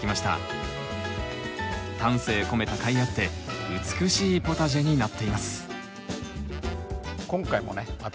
丹精込めたかいあって美しいポタジェになっています。